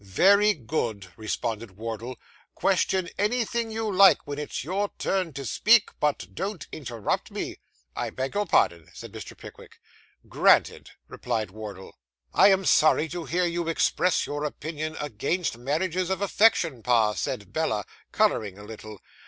'Very good,' responded Wardle, 'question anything you like when it's your turn to speak, but don't interrupt me.' 'I beg your pardon,' said Mr. Pickwick. 'Granted,' replied Wardle. '"I am sorry to hear you express your opinion against marriages of affection, pa," said Bella, colouring a little.